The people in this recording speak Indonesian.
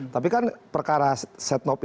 tapi kan perkara setanof ini